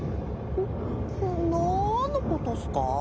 なーんのことっすかあ？